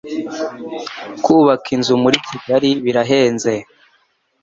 kubaka inzu muri Kigali birahenze